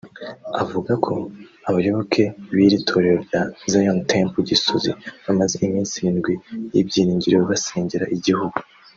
Avuga ko Abayoboke b’iri torero rya Zion Temple Gisozi bamaze iminsi irindwi y’ibyiringiro basengera igihugu